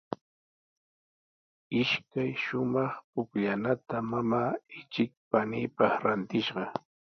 Ishkay shumaq pukllanata mamaa ichik paniipaq rantishqa.